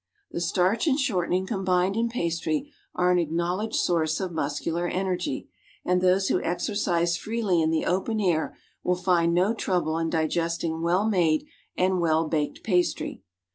The starch and shortening combined in pastry are an acknowl edged source of muscular energy; and those who exercise freely in the open air will find no trouble in digesting well made and w^ell baked pastry.